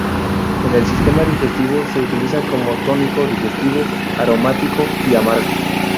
En el sistema digestivo se utiliza como tónico digestivo aromático y amargo.